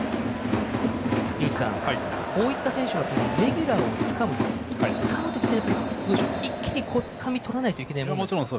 井口さん、こういった選手はレギュラーをつかむ時一気につかみ取らないといけないものですか？